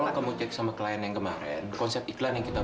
kalau kamu cek sama klien yang kemarin konsep iklan yang kita